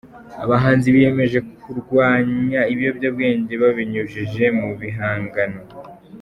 abahanzi biyemeje kurwanya ibiyobyabwenge babinyujije mu bihangano